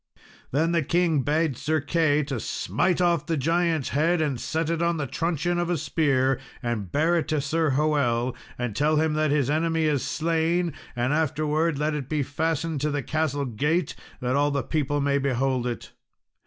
Then the king bade Sir Key to "smite off the giant's head and set it on the truncheon of a spear, and bear it to Sir Hoel, and tell him that his enemy is slain; and afterwards let it be fastened to the castle gate, that all the people may behold it.